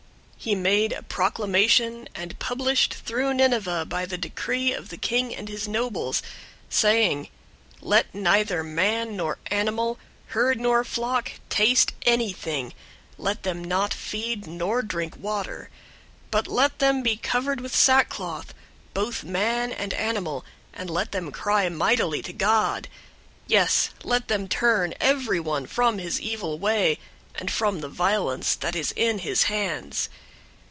003:007 He made a proclamation and published through Nineveh by the decree of the king and his nobles, saying, "Let neither man nor animal, herd nor flock, taste anything; let them not feed, nor drink water; 003:008 but let them be covered with sackcloth, both man and animal, and let them cry mightily to God. Yes, let them turn everyone from his evil way, and from the violence that is in his hands.